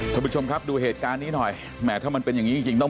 คุณผู้ชมครับดูเหตุการณ์นี้หน่อยแหมถ้ามันเป็นอย่างนี้จริงจริงต้อง